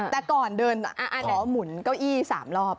แต่ก่อนเดินขอหมุนเก้าอี้๓รอบ